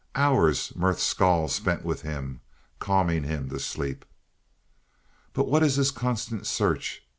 Hours Merth Skahl spent with him, calming him to sleep. "But what is this constant search?